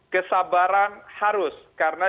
kesabaran harus karena